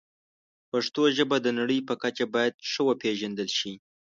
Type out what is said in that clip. پښتو ژبه د نړۍ په کچه باید ښه وپیژندل شي.